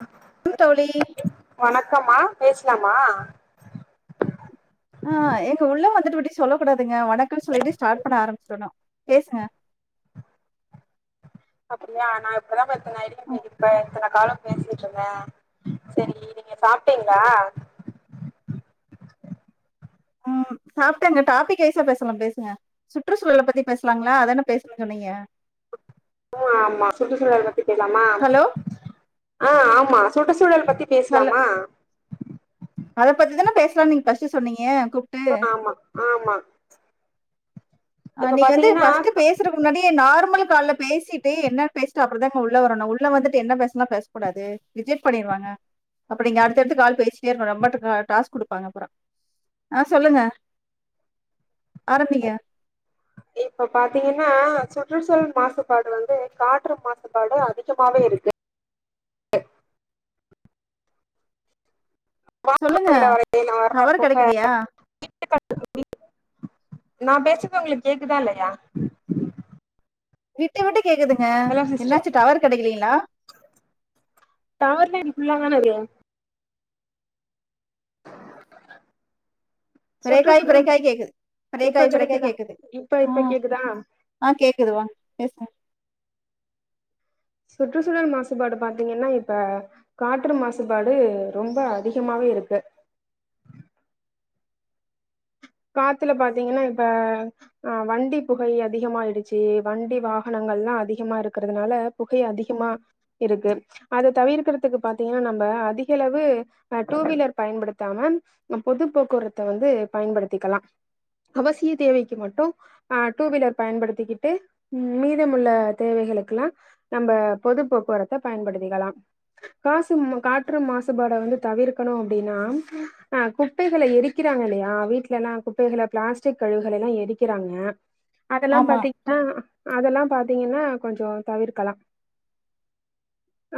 ஹ ம் தோழி வணக்கம்மா பேஸ்லாமா ஆ ஏங்க உள்ள வந்துட்டு இப்டி சொல்லக் கூடாதுங்க வணக்கம் சொல்லிட்டு ஸ்டார்ட் பண்ண ஆரம்பிச்சுடணும் பேசுங்க அப்டியா நா இப்பதான் ஃபஸ்ட் ஐடி இப்ப எத்தன காலோ பேசிட்டு இருந்தேன் சரி நீங்க சாப்ட்டீங்ளா ம் சாப்ட்டேங்க டாபிக் வைசா பேஸ்லாம் பேசுங்க சுற்றுச்சூழல பத்தி பேஸ்லாங்களா அதான பேசணும் சொன்னீங்க ஓ ஆமா சுற்றுச்சூழல் பத்தி பேஸ்லாமா ஹலோ ஆ ஆமா சுற்றுச்சூழல் பத்தி ஹலோ பேஸ்லாமா அத பத்தி தான பேஸ்லாம் நீங்க ஃபர்ஸ்ட் சொன்னீங்க கூப் ஆமா ஆமா ஆ இப்ப நீங்க வந்து பாத்தீங்கன்னா ஃபர்ஸ்ட் பேஸ் சுறதுக்கு முன்னாடியே நார்மல் கால்ப பேசிட்டு என்ன பேஸ்ட்டு அப்புற தாங்க உள்ள வரணும் உள்ள வந்துட்டு என்ன பேஸ்லாம் பேஸ் கூடாது ரிஜெக்ட் பண்ணிருவாங்க அப்றோ நீங்க அடுத்தடுத்து கால் பேசிட்டே இருக்கனும் ரொம்ப டாஸ்க் குடுப்பங்க அப்புறோம் ஆ சொல்லுங்க ஆரம்பிங்க இப்போ பாத்தீங்கன்னா சுற்றுச்சூழல் மாசுபாடு வந்து காற்று மாசுபாடு அதிகமாவே இருக்கு சொல்லுங்க வாகனங்கல வர டவர் புக கெடைக்கலையா [unintelligible] நா பேசுறது உங்களுக்கு கேக்குதா இல்லயா விட்டு விட்டு கேக்குதுங்க என்னாச்சு டவர் கடைக்கலீங்களா டாவவர்லாம் எனக்கு ஃபுல்லா தானருக்கு ப்ரேக்காய் சுற்றுச்சூழல் ப்ரேக்காய் கேக்குது இப்ப ப்ரேக்காய் ப்ரேக்காய் கெடைக்குதா கேக்குது இப்ப ஆ இப்ப கேக்குதா ஆ கேக்குது வாங் பேஸ்ங்க சுற்றுச்சூழல் மாசுபாடு பாத்தீங்கன்னா இப்ப காற்று மாசுபாடு ரொம்ப அதிகமாவே இருக்கு காத்துல பாத்தீங்கன்னா இப்ப ஆ வண்டி புகை அதிகமயிடுச்சு வண்டி வாகனங்கலாம் அதிகமா இருக்கறதுனால புகை ஆ, அதிகமா இருக்கு அத தவிர்க்கறிறதுக்கு பாத்தீங்கன்னா நம்ம அதிக அளவு அ டூ வீலர் பயன்படுத்தாம பொது போக்குவரத்த வந்து பயன்படுத்திக்கலாம் அவசிய தேவைக்கு மட்டும் ஆ டூவீலர் பயன்படுத்திக்கிட்டு மீதமுள்ள தேவைகளுக்குல்லாம் நம்ம பொது போக்குவரத்தை பயன்படுத்திக்கலாம் காசு காற்று மாசுபாட வந்து தவிர்க்கணும் அப்டின்னா ஆ குப்பைகள எரிக்கிறாங்க இல்லையா வீட்ல எல்லாம் குப்பைகளை பிளாஸ்டிக் கழுவுகல்லாம் எரிக்கிறாங்க அதல்லாம் ஆமா பாத்தீங்க ஆ அதல்லாம் பாத்தீங்கன்னா அ கொஞ்ச தவிர்க்கலாம்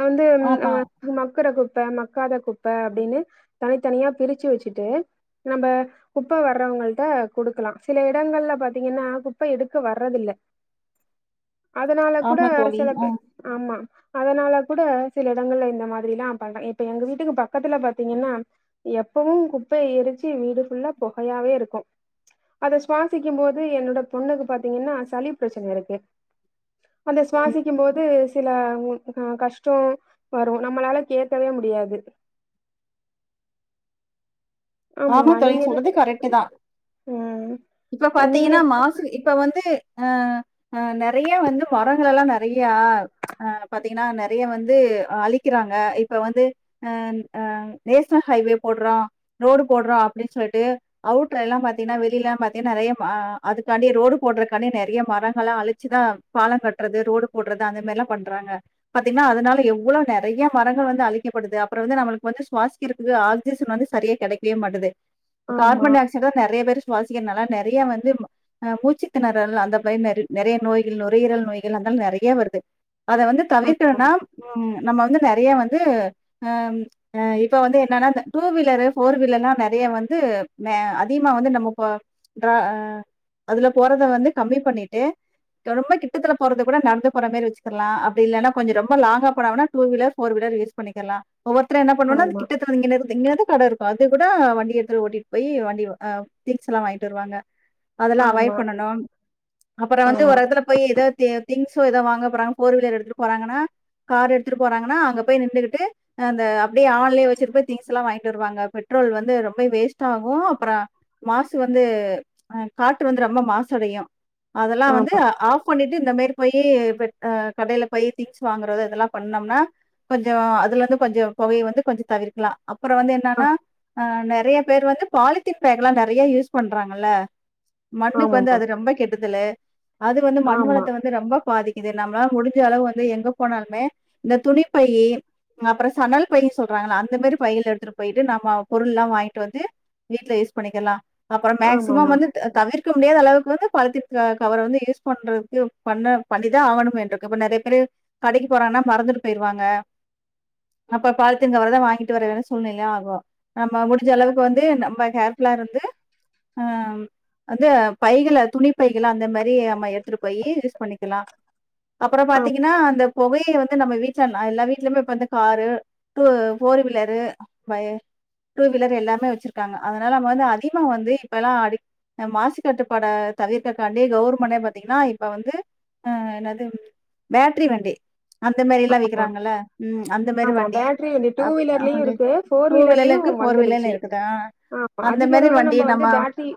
வந்து ஆ ஆமா மக்கற குப்ப மக்காத குப்ப அப்டின்னு தனித்தனியா பிரிச்சு வச்சுட்டு நம்ம குப்பை வர்றவங்கள்ட கொடுக்கலாம் சில எடங்கள்ல பாத்தீங்கன்னா குப்ப எடுக்க வர்றதுல்ல அதனால கூட ஆமா தோழி சில ஆ பே ஆமா அதனால கூட சில எடங்கள்ல இந்த மாதிரிலாம் பண்ற இப்ப எங்க வீட்டுக்கு பக்கத்துல பாத்தீங்கன்னா எப்பவும் குப்பைய எரிச்சு வீடு ஃபுல்லா புகையாவே இருக்கும் அத சுவாசிக்கும் போது என்னோட பொண்ணுக்கு பாத்தீங்கன்னா சளி பிரச்சன இருக்கு அந்த சுவாசிக்கும் போது சில கஷ்டம் வரும் நம்மளால கேட்கவே முடியாது ஆமா ஆமாமா தோழி நீங்க என்ன சொல்றது கரெக்டு தா ம் இப்ப நீங்க பாத்தீங்கன்னா மாசு இப்ப வந்து ஆ நறைய வந்து மரங்களல்லாம் நறைய அ பாத்தீங்கன்னா நறைய வந்து அழிக்கிறாங்க இப்ப வந்து அ அ நேஷனல் ஹைவே போட்ரோ ரோடு போட்ரோ அப்டின்னு சொல்லிட்டு அவுட்ல எல்லாம் பாத்தீங்கன்னா வெளிலல்லாம் பாத்தீன்னா நறைய அதுக்காண்டி ரோடு போடுறக்காண்டி நறைய மரங்களாம் அழிச்சுதா பாலோ கட்றது ரோடு போட்றது அந்த மாரில்லா பண்றாங்க பாத்தீங்கன்னா அதனால எவ்வளோ நெறையா மரங்கள் வந்து அழிக்கப்படுது அப்பறோ வந்து நம்மளுக்கு வந்து சுவாசிக்குறதுக்கு ஆக்சிஜன் வந்து சரியே கெடைக்கவே மாட்டது ஆமா கார்பன் டை ஆக்சைடு தா நெறைய பேரு சுவாசிக்குறனால நெறையா வந்து ஆ மூச்சுத்திணறல் அந்த மாரி நெறைய நெறையா நோய்கள் நுரையீரல் நோய்கள் அதெல்லா நெறைய வருது அத வந்து தவிர்க்கணுன்னா ம் நம்ம வந்து நெறையா வந்து ஆ ஆ இப்ப வந்து என்னன்னா இந்த டூ வீலரு ஃபோர்வீலர்ல்லா நெறைய வந்து மே அதிகமா வந்து நம்ம போ ட்ரா அதுல போறத வந்து கம்மி பண்ணிட்டு ரொம்ப கிட்டத்துல போறது கூட நடந்து போற மாரி வச்சுக்குறளா அப்டி இல்லன்னா கொஞ்சோ ரொம்ப லங்கா போனாங்கன்னா two wheeler four wheeler use பண்ணிக்கிறலா ஒவ்வர்தரு என்ன பண்ணுவானா இந்த ஆமா கிட்டத்துலதா இங்கன இருந்து இங்கனதா கட இருக் ப்ப அது கூட வண்டி எடுத்துட் ஓட்டிட் போய் வண்டிர்வ அ திங்ஸ்ல்லா வாங்கிட்டு வருவாங்க அதெல்லா ஆமா அவாய்ட் பண்ணனும் அப்புறோ வந்து ஆமா ஒரு எடத்துல போய் ஏதோ தே திங்சோ எதோ வாங்க போறாங்க போர் வீலர் எடுத்துட்டு போறாங்கனா கார் எடுத்துட்டு போறாங்கன்னா அங்க போய் நிண்டுகிட்டு அந்த அப்டியே ஆன்ளே வச்சிட்டு போய் திங்ஸ்லா வாங்கிட்டு வருவாங்க பெட்ரோல் வந்து ரொம்ப வேஸ்ட் ஆகு அப்புறா மாசு வந்து அ காற்று வந்து ரொம்ப மாசுஅடையு அதெல்லா வந்து ஆமா ஆஃப் கொண்ணீட்டு இந்த மேரி போயி பெட் அ கடைல போய் திங்ஸ் வாங்கறது இதெல்லா பண்ணொம்னா கொஞ்ஜொ அதுலருந்து கொஞ்ஜொ பொவைய வந்து கொஞ்ஜொ தவிர்க்கலா அப்பறோ வந்து ஆ என்னன்னா அ நெர நறைய பேரு வந்து பாலித்தீன் பேக்கல்லா நறைய யூஸ் பண்றாங்கல்ல மண்ணுக்கு வந்து ஆமாமா அது ரொம்ப கெட்டதலு அது வந்து மண் ஆமா வளத்த வந்து ரொம்ப பாதிக் இது நம்மளால முடிஞ்ச அளவு வந்து எங்க போனாலுமே இந்த துணிப்பையி அப்புறோ சணல் பையி சொல்றாங்கள அந்த மாரி பையில எடுத்துட்டு போயிட்டு நம்மாவு பொருள்ளா வாங்கிட்டு வந்து வீட்ல யூஸ் பண்ணிக்கிர்ல்லா அப்பறோ மேக்சிம ஆமாமா வந்து தவிர்க்க முடியாத அளவுக்கு வந்து பாலுத்தின் க கவர வந்து யூஸ் பண்றதுக்கு பண்ண பண்ணிதா ஆவணும் என்ற கிப்ப நறைய பேரு கடைக்கு போறானா மறந்துட்டு பேயிருவாங்க அப்ப பாலுத்தின் கவரதா வாங்கிட் வரவேண்டிய சூழ்நிலை ஆகு நம்ம முடிஞ்ச அளவுக்கு வந்து நம்ம கேர்ஃபுல்லா இருந்து அ வந்து பைகள துணிப்பைகள அந்த மாரி நம்ம எடுத்துட்டு போய் யூஸ் பண்ணிக்கிளா அப்புறோ பாத்தீங்கன்னா அந்தப் புகைய வந்து நம்ம வீட்ல நா எல்லா வீட்லயுமே இப்ப வந்து காரு டூ ஃபோர் வீலரு பைய டூ வீலர் எல்லாமே வச்சிருக்காங்க அதனால நம்ம வந்து அதிகமா வந்து இப்பெல்லா அடிக் அ மாசு கட்டுப்பாட தவிர்க்கக்காண்டி கோவெர்மெண்டே பாத்தீங்கன்னா இப்ப வந்து அ என்னது பேட்ரி வண்டி அந்த மாரில்லா ஆமாமா விக்கிறாங்கள ம் அந்த மாரி ஆமா வண்டி பேட்ரி வந்து டூ வீலர்லயு இருக்கு [inaudible] ஃபோர் டூ வீலர்லயு வீலர்யிலக்கு ஒரு விலையின் வந்துடுச்சு இருக்குதா ஆமா அந்த அதிக மாரி அளவுல வண்டி வந்து நம்ம பேட்ரி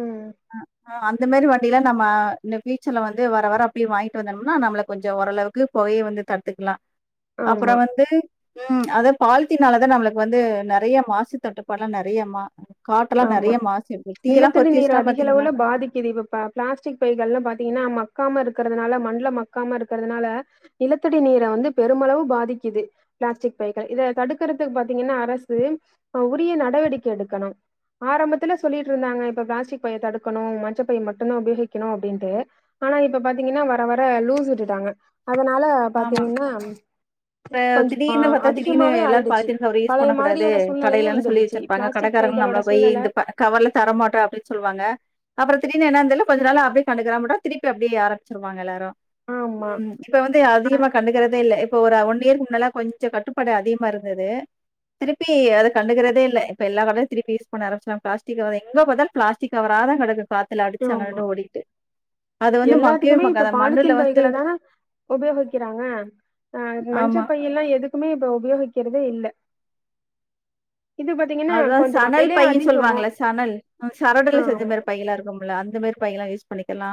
ம் அ அந்த மேரி வண்டில்ல நம்ம ந்த ஃபியூச்சர்ல வந்து வர வர அப்பியே வாங்கிட்டு வந்தோம்னா நம்மளுக்கு கொஞ்ஜோ ஓரளவுக்கு போய் வந்து தடுத்துகிலா அப்பறோ ஆமா வந்து ம் அதா பால்த்தீனாலத நம்மளுக் வந்து நெறைய மாசுத்தட்டுப்பாட்ல்லா நெறைய மா காற்றல்லா ஆமா நறைய மாசு தீயல்லா நிலத்தடி பத்தி நீர் வச்ட்டா அதிக பாத்தீங்கலா அளவுல பாதிக்குது இப்ப இப் பிளாஸ்டிக் பைகல்லா பாத்தீங்கன்னா மக்காம இருக்குறதுனால மண்ல மக்காம இருக்குறதுனால நிலத்தடி நீர வந்து பெருமளவு பாதிக்குது பிளாஸ்டிக் பைகள் இத தடுக்குறதுக்கு பாத்தீங்கன்னா அரசு உரிய நடவடிக்கை எடுக்கனு ஆரம்பத்தில சொல்லிட்டிருந்தாங்க இப்ப பிளாஸ்டிக் பைய தடுக்கனு மஞ்ச பை மட்டுதா உபயோகிக்கனு அப்டின்டு ஆனா இப்ப பாத்தீங்னா வர வர லூஸ் விட்டுட்டாங்க அதனால ஆமா. பாத்தீங்னாம் இப்ப திடீர்னு பத்தா திடீர்னு எல்லாரு ஆயிடுச்சு பால்தீன் கவர் யூஸ் பழைய பண்ண கூடாது மாதிரியான சூழ்நிலையே கடைலேன்னா சொல்லி வந்துடுச்சு வச்சிர் இருப்பாங்க பிளாஸ்டிக் கடக்காரங்களு பைகளோட நம்மள போய் சூழ்நில இந்த ப கவர்லா தரமாட்டா அப்டி சொல்வாங்க அப்புற திடீனுன என்னன்னு தெரியல கொஞ்ச நாளா அப்டியே கண்டுக்கற விட்டா திருப்பி அப்டியே ஆரம்பச்சிருவாங்க எல்லாரு ஆமா ம் இப்ப வந்து ஆ- அதிகமா கண்டுக்கறதே இல்ல இப்ப ஒரு ஒன் இயர்கு முன்னால கொஞ்ச கட்டுப்பா அதிகமா இருந்தது திருப்பி அது கண்டுறதே இல்ல இப்ப எல்லா பக்கம் திருப்பி அத கண்டுக்கறதே இல்ல யூஸ் பண்ண ஆரம்ச்சனால பிளாஸ்டிக் எங்க பாத்தாளலு பிளாடிக் கவரா தா கடக்குது பா தல ஆமா அடிச்சாங்க ஓடிட்டு அது வந்து மக்கவே எல்லாத்துக்குமே மக்காதா மண்ணுல வந்து உபயோகிக்கறாங்க ஆ ஆமா. மஞ்சபையெல்லா எதுக் குமே இப்ப உபயோகிக்கறதே இல்ல இது பாத்தீங்கன்னா அதா கொஞ்சோ சணல் விலை பையன்னு அதிகோ சொல்லுவாங்கல சணல் சரடுல செஞ்ச ஆமா மாறி பையில்லா இருக்கு ம்ல அந்த மாரி பையெல்லா யூஸ் பண்ணிக்கலா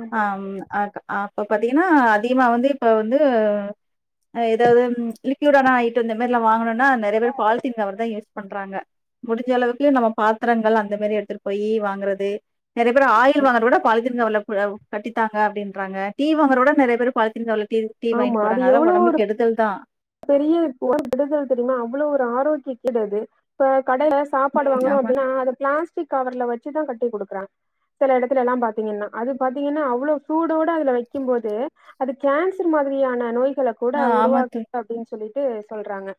ஆமா ம் அ அப்ப பாத்தீங்கன்னா அதிகமா வந்து இப்ப வந்து ஏதாவது ம் லிக்விடான ஐடம் இந்த மாரிலா வாங்குனனா நறைய பேர் பால்த்தீன் கவர் தா யூ டறாங்க முடிஞ்ச அளவுக்கு நம்ம பாத்திரங்கள் அந்த மாரி எடுத்துட்டு போய் வாங்குறது நறைய பேர் ஆயில் வாங்கற கூட பாலத்தீன் கவர் கட்டித்தாங்க அப்படின்றாங்க டீ வாங்குறதுகுட நறைய பேர் பாலித்தீன் கவர்ல டீ ஆமா வாங்கிட்டு அது போறாங்க அதுல்லா எவ்ளோ ஒரு ஓடம்புக்கு கெடுதல்தா பெரிய [unintelligible] விடுதல் தெரியுமா அவ்ளோ ஒரு ஆரோக்கிய கேடு அது இப்ப கடைல சாப்பாடு ம் வங்குறோ ஆமா. அப்டினா அத பிளாஸ்டிக் கவர்ல வச்சுதா கட்டி குடுக்குறாங் சில எடத்துலல்லா பாத்தீங்கன்னா அது பாத்தீங்கன்னா அவ்ளோ சூடோட அதுல வைக்கும் போது அது கேன்சர் மாதிரியான நோய்கள கூட ஆ ஆமா உருவாக் தோழி. அப்டின் சொல்லிட்டு சொல்றாங்க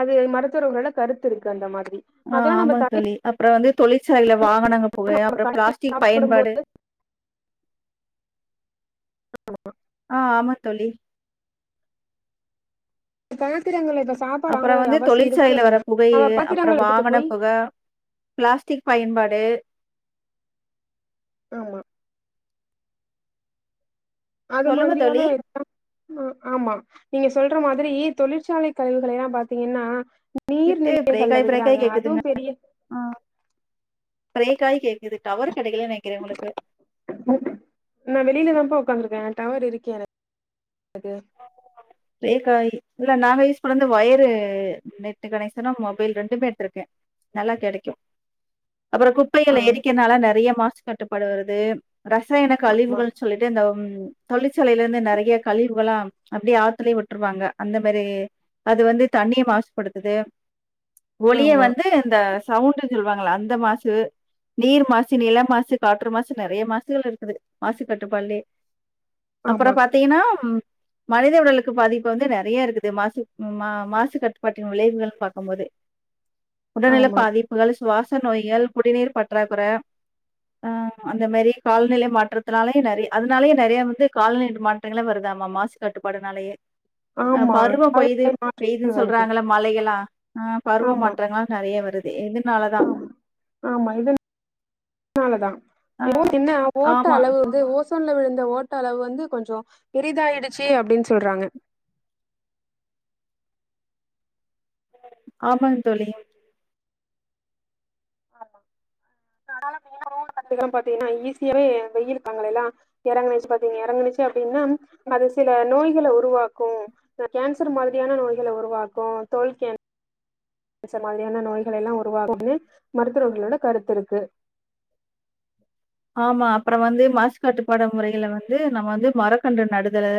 அது மருத்துவர்களோட கருத்து இருக்கு அந்த மாதிரி ஆ அதெல்லா நம்ம ஆமா தோழி அப்றோ வந்து தொழிற்சாலைல வாகனங்க புகை அப்ற கடைபிடிக்கும் பிளாஸ்டிக் பயன்பாடு [unintelligible] ஆ ஆமா தோழி பாத்திரங்களே பஸ் அப்புறோ வந்து தொழிற்சாலையில வர புகை அப்றொ பாத்திரங்கள் எடுத்துட்டு போய் வாகனப்புக பிளாஸ்டிக் பயன்பாடு ஆமா அது சொல்லுங்க தோழி. மாதிரியானா இருக்கா ம ஆமா நீங்க சொல்ற மாதிரி தொழிற்சாலை கழிவுகளெலா பாத்திங்கன்னா விட்டு பிரேக் நீர்நிலைகள்ல ஆயி பிரேக் ஆயி விடுறாங்க அதுவு கேக்குதுங்க. பெரிய ஆ பிரேக் ஆய் கேக்குது டவரு கெடைக்கலை நெனைக்கிறே உங்களுக்கு நா வெளியிலதாம்பா உக்காந்துருக்கே டவர் இருக்கே எனக் கு பிரேக்காய் இல்ல நாங்க யூஸ் பண்ணந்து வயரு நெட்டு கனெக்ஷனு மொபைல் ரெண்டுமே எடுத்துருக்கே நல்லா கெடைக்கூ அப்புறொ ஆ குப்பைகள எரிக்கிறனால நெறைய மாசு கட்டுப்பாடு வருது ரசாயன ஆமா கழிவுகள்ன்ச் சொல்லிட்டு அந்தம் தொழிற்சாலையிலருந்து நெறைய கழிவுகளா அப்டியே ஆத் துலையே விட்ருவாங்க அந்த மாரி அது வந்து தண்ணிய மாசுபடுத்துதூ ஒலிய ஆமா வந்து இந்த சவுண்டுஞ் சொல்லுவாங்கள அந்த மாசு நீர் மாசு நில மாசு காற்று மாசு நெறைய மாசுகள் இருக்குது மாசு கட்டுப்பாட்லையே அப்புறோ ஆமா பாத்தியனாம் மனித உடலுக் க்கு பாதிப்பு வந்து நெறையா இருக்குது மாசு மா மாசு கட்டுப்பாட்டின் விளைவுகள்ன் பாக்கம் போது [inaudible] உடல்நில பாதிப்புகள் சுவாச நோய்கள் குடிநீர் பற்றாக்குற ஆஹ் அந்த மாரி கால்நிலை மாற்றத்துனாலையு நெறைய் அதுனாலயே நெறையா வந்து கால்நிட் மாட் றங்கள வருதாமாம் மாசு கட்டுப்பாடுனாலயே அ ஆமா பருவப் பொயுது காலநிலை பெய்து மாற்றங்கள் வருது சொல்றாங்கள மலைகளா ஆஹ் பருவ ஆமா மாற்றங்களா நெறையா வருது இதுனாலதா ஆமா ஆமா இது னாலதா அ உ என்ன ஓட்ட ஆமா. அளவு வந்து ஓஸ் சோன்ல விழுந்த ஓட்ட அளவு வந்து கொஞ்சொ பெரிதாயிடுச்சி அப்டின் சொல்றாங்க ஆமாங் தோழி கத்துக்கலாம் பாத்திங்கனா ஈஸியாவே வெயிலுக்காங்கலைல்லா இறங்கனுச்சி பாத்திங்க இறங்கனிச்சி அப்டின்னா அது சில நோய்கள உருவாக்கூ கேன்சரு மாதிரியான நோய்கள உருவாக்கு தோல் கேன் சர் மாதிரியான நோய்களைலா உருவாக்குணு மருத்துரகளோட கருத்துருக்கு ஆமா அப்றோ வந்து மாசு கட்டுப்பாடு முறைகள வந்து நம்ம வந்து மரக்கன்று நடுதலூ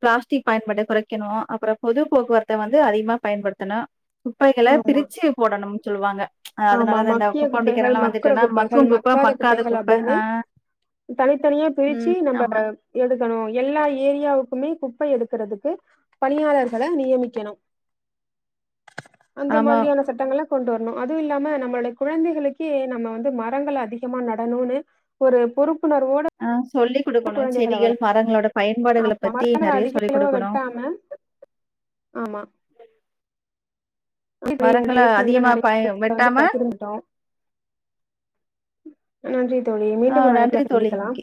பிளாஸ்டிக் பயன்பாட்ட குறைக்கணூ அப்புறொ பொது போக்குவரத்த வந்து அதிகமா பயன்படுத்தணு குப்பைகள ஆமா பிரிச்சி போடணும் சொல்லுவாங்க ஆமா அதனாலதந்த மக்கிய குப்பைகள் குப்பவண்டிக்காரல்லா வந்துட்டன்னா மக்கு குப் ப மக்காத கு பேனு தனித்தனியா பிரிச்சி ம். நம்ப ஆமா, எடுக்கணூ எல்லா ஏரியாவுக்குமே குப்பை எடுக்குறதுக்கு பணியாளர்கள நியமிக்கணு அந்த ஆமா. மாதிரியான சட்டங்கள கொண்டு வரணு அதுவு இல்லாம நம்மளுடை குழந்தைகளுக்கே நம்ம வந்து மரங்கள் அதிகமா நடணூனு ஒரு பொறுப்புணர்வோட ஆ சொல்லி குடுக்கணூ குழந்தைகள செடிகள் மரங்களோட பயன்பாடுகள பத்தி வளர்த்தா நெறையா அதிக சொல்லிக் அளவா குடுக்கணூ வெட்டாம ஆமா மரங்கள அதிகமா பய வெட்டாம [unintelligible] நன்றி தோழி ஆ மீண்டும் ஒரு அழைப்புல நன்றி தோழி. சந்திக்கலாம்